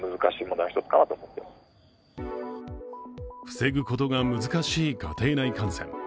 防ぐことが難しい家庭内感染。